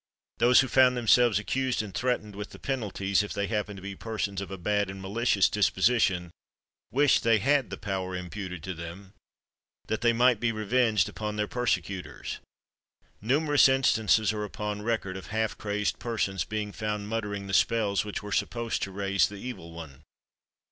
Those who found themselves accused and threatened with the penalties, if they happened to be persons of a bad and malicious disposition, wished they had the power imputed to them, that they might be revenged upon their persecutors. Numerous instances are upon record of half crazed persons being found muttering the spells which were supposed to raise the evil one.